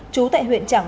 trú tại huyện trảng